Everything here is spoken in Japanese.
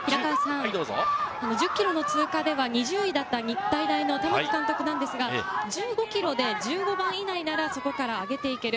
１０ｋｍの通過では２０位だった日体大の玉城監督ですが、１５ｋｍで、１５番以内なら、そこから上げていける。